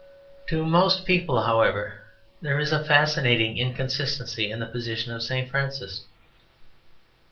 To most people, however, there is a fascinating inconsistency in the position of St Francis.